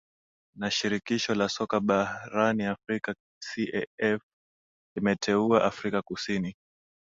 na shirikisho la soka barani afrika caf limeteua afrika kusini